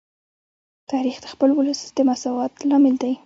تاریخ د خپل ولس د مساوات لامل دی.